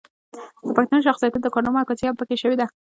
د پښتنو شخصياتو د کارنامو عکاسي هم پکښې شوې ده